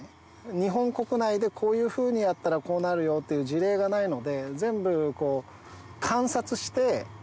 日本国内でこういうふうにやったらこうなるよっていう事例がないので。